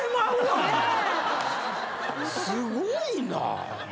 すごいな。